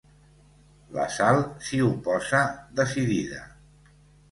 La Sal s'hi oposa, decidida.